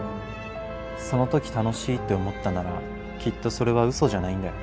その時楽しいって思ったならきっとそれは嘘じゃないんだよ。